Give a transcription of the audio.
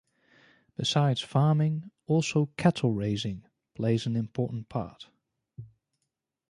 Besides farming, also cattle raising plays an important part.